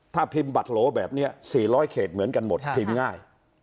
ถ้าพิมพ์บัตรโหลแบบนี้๔๐๐เขตเหมือนกันหมดพิมพ์ง่าย